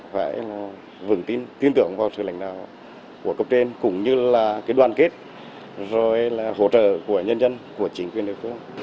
chúng tôi vững tin tưởng vào sự lãnh đạo của cộng đồng cũng như là đoàn kết rồi là hỗ trợ của nhân dân của chính quyền đối phương